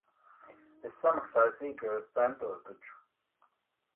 Es samaksāju sīkajos centos taču.